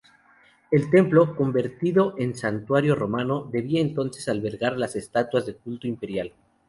El templo, convertido en santuario romano, debía entonces albergar las estatuas del culto imperial.